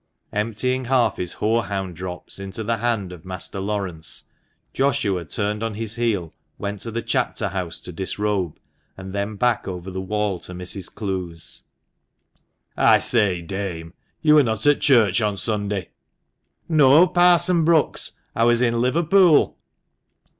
Emptying half his horehound drops into the hand of Master Laurence, Joshua turned on his heel, went to the chapter house to disrobe, and then back over the wall to Mrs. Clowes. " I say, dame, you were not at church on Sunday." " No, Parson Brookes ; I was in Liverpool."